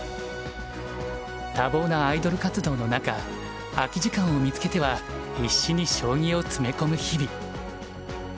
多忙なアイドル活動の中空き時間を見つけては必死に将棋を詰め込む日々。